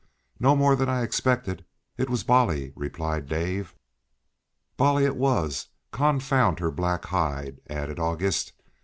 "No more than I expected. It was Bolly," replied Dave. "Bolly it was, confound her black hide!" added August.